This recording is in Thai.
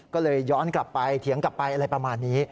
ก็เลยย้อนกลับไปเถียงกลับไปอะไรประมาณนี้